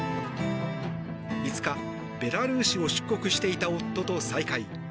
５日、ベラルーシを出国していた夫と再会。